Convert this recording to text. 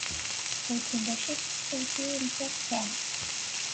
Wissen acu la testewtiwemt akka!